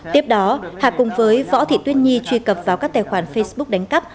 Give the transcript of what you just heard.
tiếp đó hà cùng với võ thị tuyết nhi truy cập vào các tài khoản facebook đánh cắp